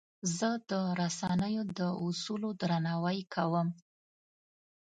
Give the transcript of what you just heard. زه د رسنیو د اصولو درناوی کوم.